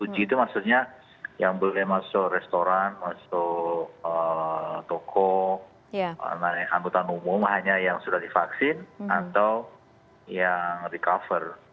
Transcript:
tujuh g itu maksudnya yang boleh masuk restoran masuk toko naik angkutan umum hanya yang sudah divaksin atau yang recover